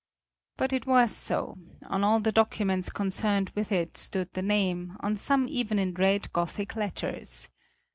But it was so: on all the documents concerned with it stood the name, on some even in red Gothic letters.